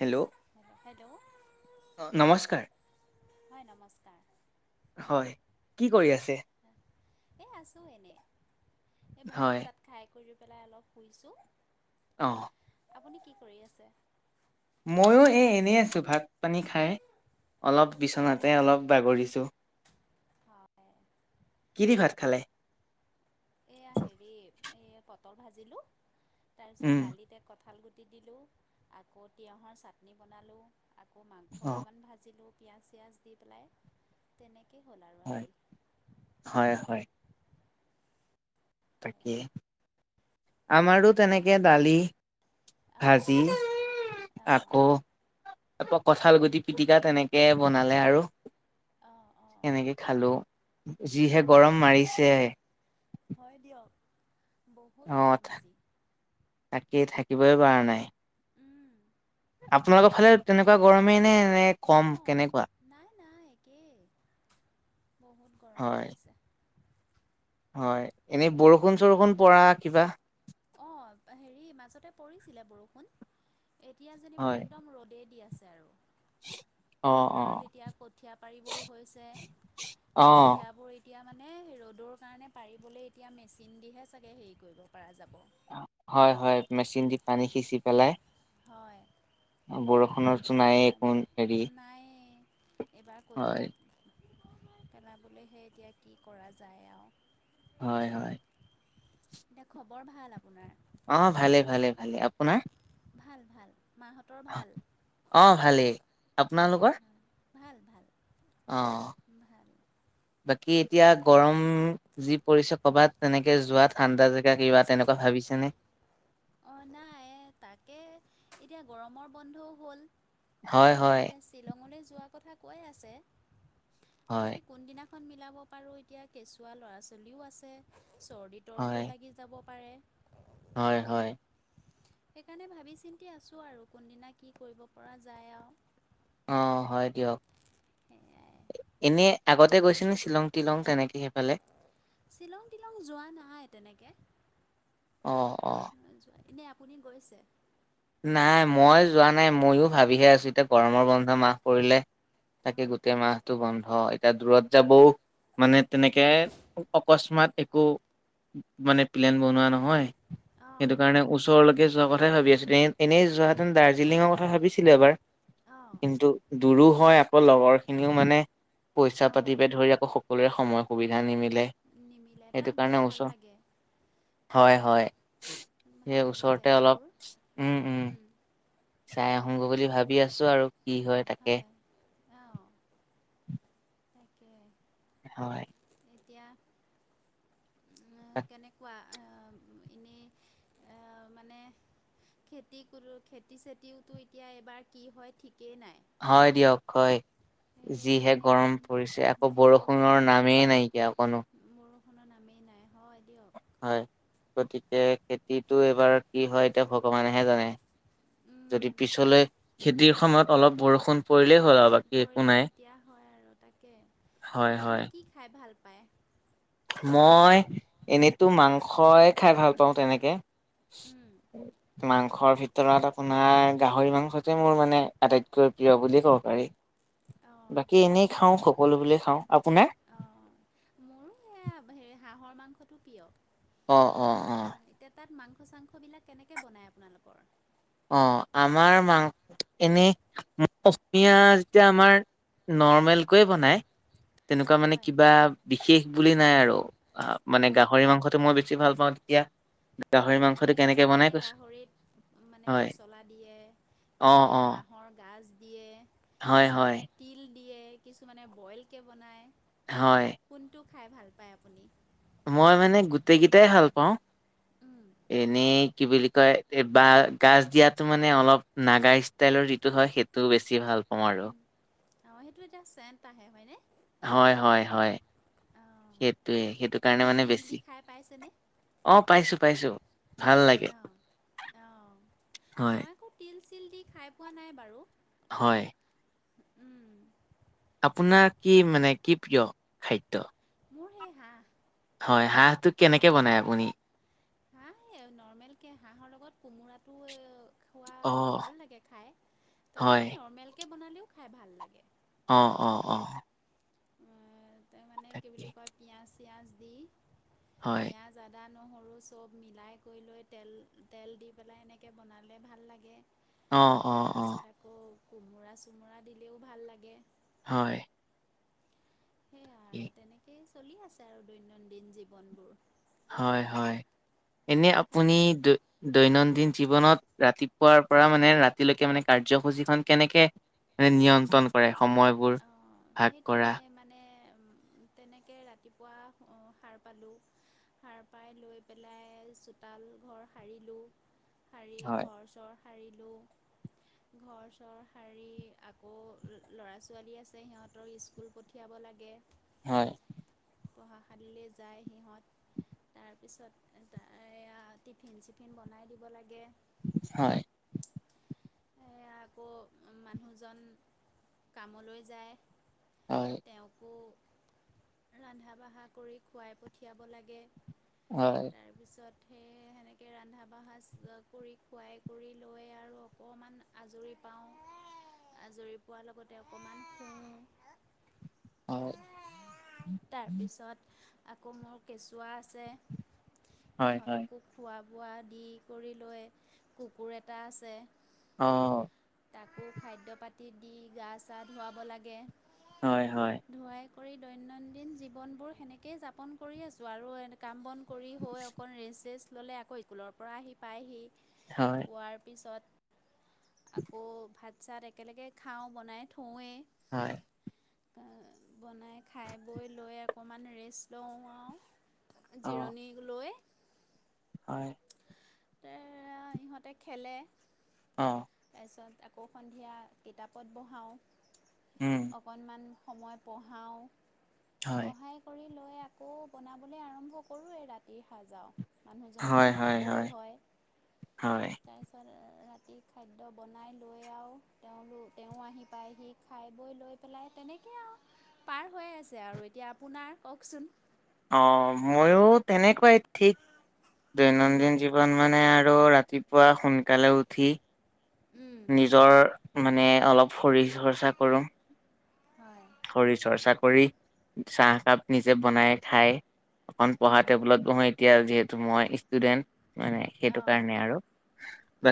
Hello hello. অ নমস্কাৰ হয় নমস্কাৰ। হয়, কি কৰি আছে? এই আছোঁ এনে, এই ভাত হয় চাত খাই কৰি পেলাই অলপ শুইছোঁ। অ'। আপুনি কি কৰি আছে? ময়ো এই এনেই আছোঁ ভাত পানী খাই, অলপ হয় বিচনাতে অলপ বাগৰিছোঁ। হয় কি দি ভাত খালে? এইয়া হেৰি, এই পটল ভাজিলোঁ, তাৰপিছত উম দালিত কঁঠাল গুটি দিলোঁ, আকৌ তিঁয়হৰ চাটনি বনালোঁ। আকৌ মাংস অ অকণমান ভাজিলোঁ পিঁয়াজ চিয়াজ দি পেলাই, তেনেকেই হ'ল আৰু হয় আজি। হয় হয়। সেয়া তাকেই, আমাৰো তেনেকে দালি অঁ ভাজি, অঁ আকৌ তাৰপৰা কঁঠাল গুটি পিটিকা তেনেকে বনালে আৰু। অঁ অঁ সেনেকে খালোঁ, যিহে অঁ গৰম মাৰিছে। হয় দিয়ক, অ বহুত গৰম আজি। তাকেই, থাকিবই পৰা নাই। উম। আপোনালোকৰ ফালে তেনেকুৱা গৰমেই নে, নে কম অ' কেনেকুৱা নাই নাই একেই, বহুত গৰম হয় পৰিছে। হয়, এনেই বহুত বৰষুণ গৰম পৰিছে চৰষুণ পৰা কিবা। অ' হেৰি মাজতে পৰিছিলে বৰষুণ, এতিয়া যেনিবা হয় একদম ৰ'দে দি আছে আৰু। অ অ পথাৰত এতিয়া কঠীয়া পাৰিবও হৈছে, অ কঠিয়াবোৰ এ এতিয়া মানে ৰ'দৰ কাৰণে পাৰিবলৈ এতিয়া মেচিন দিহে চাগে হেৰি কৰিব পৰা যাব। হয় হয় মেচিন দি পানী সিচি পেলাই। হয়। পানী বৰষুণৰতো সিঁচি নাইয়ে পেলাই একো বৈ, হেৰি নাই এইবাৰ হয় কঠীয়া পেলাবলৈহে এতিয়া কি কৰা যায় আৰু। হয় হয়। এনে খবৰ ভাল আপোনাৰ? অ' ভালে ভালে ভালে, আপোনাৰ? ভাল ভাল, মাহঁতৰ ভাল? অ' ভালেই, আপোনালোকৰ? ভাল ভাল অ' ভাল বাকী এতিয়া পাইছে গৰম যি পৰিছে ক'ৰবাত তেনেকে যোৱা ঠাণ্ডা জেগা কিবা তেনেকুৱা ভাবিছেনে? অ' নাই তাকে এতিয়া গৰমৰ বন্ধও হ'ল। হয় হয়। শ্বিলঙলে যোৱা কথা কৈ আছে, হয় তাকে কোনদিনা খন মিলাব পাৰোঁ এতিয়া কেঁচুৱা ল'ৰা ছোৱালীও আছে, চৰ্দি হয় তৰ্দিও লাগি যাব পাৰে। হয় হয়। সেইকাৰণে ভাবি চিন্তি আছোঁ আৰু কোনদিনা কি কৰিব পৰা যায় আৰু। অ', হয় দিয়ক। সেয়াই এনে আগতে গৈছে নি শ্বিলং টিলং তেনেকে সেইফালে? শ্বিলং তিলং যোৱা নাই তেনেকে। অ', অ'। নাই যোৱা, এনেই আপুনি গৈছে। নাই মই যোৱা নাই, ময়ো ভাবিহে আছোঁ। এতিয়া গৰমৰ বন্ধ মাহ পৰিলে। তাকে হয় গোটেই মাহ এতিয়া টো বন্ধ, এতিয়া দূৰত যাবও মানে তেনেকে অকস্মাত একো মানে প্লেন বনোৱা নহয়, অঁ সেইটো কাৰণে ওচৰলৈকে যোৱা কথাই ভাবি আছিলোঁ এনেই যোৱা হেঁতেন দাৰ্জিলিঙৰ কথা ভাবিছিলোঁ এবাৰ। অ'। কিন্তু দূৰো হয় আকৌ লগৰ খিনিও মানে পইচা অঁ পাতি পে ধৰি আকৌ সকলোৰে সময় সুবিধা নিমিলে। নিমিলে তাত সেইটো গৈ কাৰণে ভাল লাগে ওচৰত হয়, হয়। ভাল সেই লাগে ওচৰতে অলপ জেগাবোৰ উম, উম। চাই আহোগৈ সেয়াই বুলি ভাবি আছোঁ আৰু কি হয় তাকে। অহ। তাকে। হয়। এতিয়া নো কেনেকুৱা। অ', এনেই অ', মানে খেতি কৰোঁ খেতি চেতিওটো এতিয়া এইবাৰ কি হয় ঠিকেই নাই। হয় দিয়ক হয়। সেয়ে যিহে মানে গৰম একদম পৰিছে, আকৌ যিহে গৰম বৰষুণৰ নামেই পৰিছে নাইকিয়া অকনো বৰষুণৰ নামেই নাই হয় দিয়ক। হয়, গতিকে খেতিটো এইবাৰ কি হয় এতিয়া ভগৱানেহে জানে। উম'। যদি পিছলৈ খেতিৰ সময়ত অলপ বৰষুণ পৰিলেই হয় আৰু বাকী একো পৰিলে নাই তেতিয়া হয় আৰু তাকে, হয় এতিয়া হয়। আপুনি কি খাই ভাল পায়? মই এনেটো মাংসই খাই ভাল পাওঁ তেনেকে। উম, মাংসৰ ভিতৰত আপোনাৰ গাহৰি মাংসটোৱে, মোৰ মানে আটাইতকৈ প্ৰিয় বুলিয়ে ক'ব পাৰি। অ', বাকী এতিয়া তাত এনেই খাওঁ কেনেকে সকলোবোৰে খাওঁ। আপোনাৰ? অ', মোৰো হে হাঁহৰ মাংসটো প্ৰিয়। অ', অ', অ'। এতিয়া তাত মাংস চাংসবিলাক কেনেকে বনায় আপোনালোকৰ? অ', আমাৰ মাংস এনেই অসমীয়া [inaudible] যেতিয়া আমাৰ নৰ্মেলকৈয়ে বনাই তেনেকুৱা মানে হয়। কিবা বিশেষ বুলি নাই আৰু। আহ মানে অঁ গাহৰি অঁ মাংসটো মই বেছি ভাল পাওঁ তেতিয়া গাহৰি অ', মাংসটো এতিয়া কেনেকে বনাই কিছুমানে কৈছো গাহৰিত মানে হয়। পচলা দিয়ে, অ', কিছুমানে অ', বাঁহৰ গাজ দিয়ে। হয়, হয়, কিছুমানে তিল দিয়ে, কিছুমানে বইলকে বনায়। হয়। কোনটো খাই ভাল পায় আপুনি? মই মানে গোটেই কেইটাই ভাল পাওঁ এনেই কি বুলি কয়, এই বা গাজ দিয়াটো মানে অলপ নাগা ষ্টাইলৰ যিটো হয় সেই- টো বেছি ভাল পাওঁ আৰু। অঁ' সেইটো এটা চেণ্ট আহে হয় নে? হয়' হয়' হয়' অঁ সেইটোৱে সেইটো কাৰণে এনেই মানে তিল দি বেছি। খাই পাইছেনে? অঁ' পাইছোঁ পাইছোঁ। অঁ' অঁ' হয়, মই আকৌ তিল চিল দি খাই পোৱা নাই বাৰু। হয়। উম' আপোনাৰ কি মানে কি প্ৰিয় খাদ্য? মোৰ সেই হাঁহ। হয়, হাঁহটো কেনেকে বনাই আপুনি? হাঁহ এই নৰ্মেল কে হাঁহৰ লগত কোমোৰাটো ও- পুৱা অ', ভাল লাগে খাই, হয়। তথাপি নৰ্মেলকে বনালেও খাই ভাল লাগে। অঁ অঁ অঁ' অঁহ তাৰমানে কি তাকে। বুলি কয়? পিঁয়াজ ছিঁয়াজ দি হয়, পিঁয়াজ- যাদা নহৰু চব মিলাই কৰি লৈ তেল তেল দি পেলাই এনেকে বনালে ভাল লাগে। অ', অ', অ', তাৰপিছত আকৌ কোমোৰা চোমোৰা দিলেও ভাল লাগে। হয়। সেয়া কি আৰু তেনেকেই চলি আছে আৰু দৈনন্দিন জীৱনবোৰ। হয় হয়, এনে আপুনি খাদ্য দু- দৈনন্দিন জীৱনত ৰাতিপুৱাৰ পৰা মানে, ৰাতিলৈকে মানে কাৰ্যসূচীখন কেনেকে- মানে নিয়ন্ত্ৰণ- কৰে সময়বোৰ। অঁ' ভাগ সেই কৰা? তেনে মা- নে উম তেনেকে ৰাতিপুৱা অঁ সাৰ পালোঁ। সাৰ পাই লৈ পেলাই চোতাল ঘৰ সাৰিলোঁ। সাৰি হয়, ঘৰ চৰ- সাৰিলো ঘৰ চৰ সাৰি আকৌ ল ল'ৰা ছো- ছোৱালী আছে সিহঁতৰ স্কুল পঠিয়াব লাগে। হয়। পঢ়াশালিলে যায় সিহঁত। তাৰপিছত তাই এইয়া টিফিন চিফিন বনাই দিব লাগে। হয়। সেইয়া আকৌ মানুহজন- কামলৈ যায় হয়, তেওঁকো- ৰন্ধা বাঢ়া কৰি খুৱাই পঠিয়াব লাগে। হয়। তাৰপিছত সেই সেনেকে ৰান্ধা বাঢ়া অ কৰি খোৱাই কৰি লয় আৰু- অকমান আজৰি পাওঁ আজৰি পোৱাৰ লগত- তে অকমান শুঁ। হয়, তাৰপিছত আকৌ মোৰ কেঁচুৱা আছে। হয়, হয়। সিহঁতকো খোৱা বোৱা দি কৰি লৈ কুকুৰ এটা আছে। অঁ' তাকো খাদ্য পাতি দি গা চা ধুৱাব লাগে। হয় হয়। ধুঁৱাই কৰি দৈনন্দিন জীৱনবোৰ সেনেকেই যাপন কৰি আছোঁ। আৰু কাম বন- কৰি হৈ অকণ ৰেষ্ট চেষ্ট ল'লে আকৌ ইকুলৰ পৰা আহি পায় হি। হয়। শুৱাৰ পিছত আকৌ ভাত চাত একেলগে খাওঁ বনাই থৌৱে। হয়। অ বনাই খাই বৈ লৈ অকণমান ৰেষ্ট লওঁ আও। অ', জিৰণীক লৈ হয়। তে আ ইহঁতে খেলে। অহ। তাৰপিছত আকৌ সন্ধিয়া কিতাপত বহাও। উম। অকণমান সময় পঢ়াওঁ, হয়। পঢ়াই কৰি লৈ আকৌ বনাবলৈ আৰম্ভ কৰোঁৱেই ৰাতিৰ সাজাওঁ। মানুহজনো হয়, আহি হয়, পাবহি হয়। হয়। তাৰপিছত ৰাতি খাদ্য বনাই লৈ আও তেওঁলো তেওঁ আহি পায়হি খাই বৈ লৈ পেলাই তেনেকৈ আও। পাৰ হৈ আছে আৰু এতিয়া আপোনাৰ কওকচোন? অ মইও তেনেকুৱাই ঠিক। উম দৈনন্দিন জীৱন মানে আৰু ৰাতিপুৱা সোনকালে উঠি উম নিজৰ মানে অলপ শৰীৰ হৰ্চা কৰো। হয়। শৰীৰ চৰ্চা কৰি চাহকাপ নিজে বনাই খায় অকণ পঢ়া উম টেবুলত কহু এতিয়া যিহেতু মই ষ্টুডেন্ট মানে সেইটো অঁ কাৰণে আৰু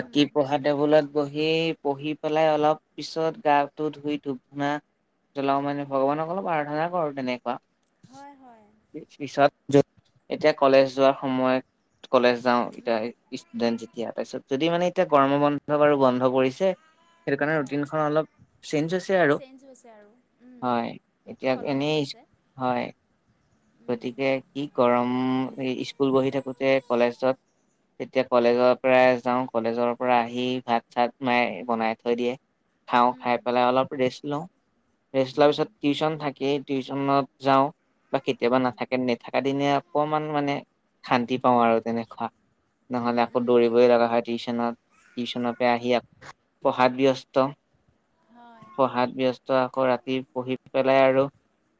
উম পঢ়াত টেবুলত বহি বহি পেলাই অলপ পিছত গাটো ধুই ধূপ ধূনা জ্বলাও মানে ভগৱানক অলপ পৰ্থনা কৰোঁ তেনেকুৱা। হয় হয়। পিছত যত, এতিয়া কলেজ যোৱাৰ সময়ত কলেজ যাওঁ এতিয়া উম ষ্টুডেন্ট উম যেতিয়া তাৰপছত যদি মানে এতিয়া গম বন্ধ আৰু বন্ধ কৰিছে। সেইটো কাৰণে হয় ৰুটিনখন অলপ চেঞ্জ হৈছে আৰু চেঞ্জ হৈছে আৰু উম হয় এতিয়া সলনি এনেই হৈছে হয়, উম গতিকে ই গৰম স্কুল বহি থাকোতে কলেজত তেতিয়া কলেজৰ পৰা যাওঁ। কলেজৰ পৰা আহি ভাত চাত মায়ে বনাই থৈ দিয়ে। খাওঁ খাই উম পেলাই অলপ ৰেষ্ট লওঁ ৰেষ্ট লোৱাৰ উম পিছত টিউশচন থাকেই টিউশচনত যাওঁ বা কেতিয়াবা উম নাথাকে নাথাকা দিনেত অকমান মানে শান্তি পাওঁ উম আৰু তেনেকুৱা। নহ'লে উম আকৌ উম দৌৰিবই উম লগা হয় টিউচনত টিউচনত। আহি হয় আকৌ পঢ়াত ব্যস্ত হয় পঢ়াত ব্য আকৌ ৰাতি পঢ়ি পেলাই আৰু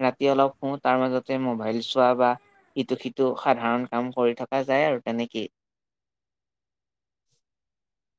ৰাতি অলপ হু তাৰ মাজতে মোবাইল চোৱা বা ইটো সিটো সাধাৰণ কাম কৰি থকা যায় আৰু তেনেকেই।